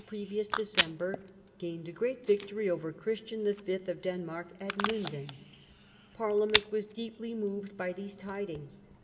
previous December gained a great victory over Chris tian V. of Denmark at Lunden. Parliament was deeply moved by these tidings.